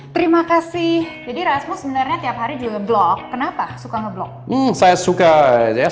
terima kasih jadi rasmus sebenarnya tiap hari juga vlog kenapa suka nge vlog